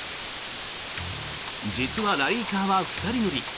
実はラリーカーは２人乗り。